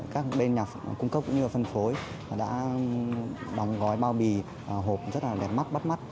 các bên nhà cung cấp cũng như phân phối đã đóng gói bao bì hộp rất là đẹp mắt bắt mắt